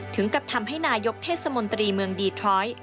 ถึงกับทำให้นายกเทศมนตรีเมืองดีทรอยด์